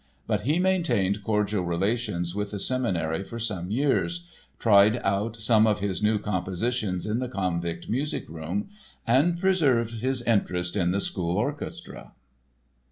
But he maintained cordial relations with the Seminary for some years, tried out some of his new compositions in the Konvikt music room and preserved his interest in the school orchestra.